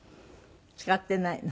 使ってないの？